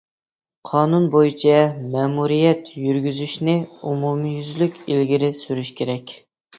قانۇن بويىچە مەمۇرىيەت يۈرگۈزۈشنى ئومۇميۈزلۈك ئىلگىرى سۈرۈش كېرەك.